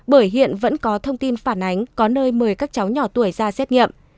bởi hiện vẫn có thông tin phản ánh có nơi mời các cháu nhỏ tuổi ra xét nghiệm